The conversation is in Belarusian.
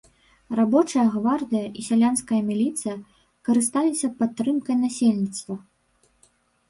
Рабочая гвардыя і сялянская міліцыя карысталіся падтрымкай насельніцтва.